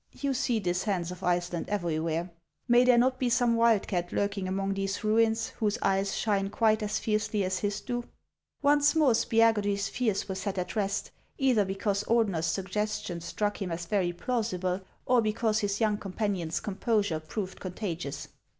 You see this Hans of Iceland everywhere. May there not be some wildcat lurking among these ruins, whose eyes shine quite as fiercely as his do ?" Once more Spiagudry's fears were set at rest, either because Ordener's suggestion struck him as very plausi ble, or because his young companion's composure proved contagious.